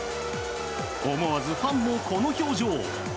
思わずファンもこの表情。